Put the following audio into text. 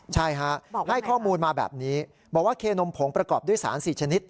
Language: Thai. ใช่ฮะให้ข้อมูลมาแบบนี้บอกว่าเคนมผงประกอบด้วยสาร๔ชนิด